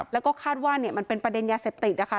แล้วก็คาดว่ามันเป็นประเด็นยาเสพติดนะคะ